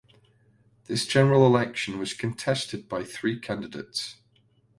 This general election was contested by three candidates.